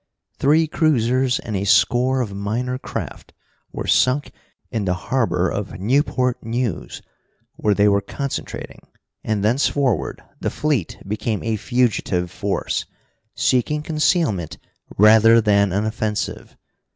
Three cruisers and a score of minor craft were sunk in the harbor of Newport News, where they were concentrating, and thenceforward the fleet became a fugitive force, seeking concealment rather than an offensive.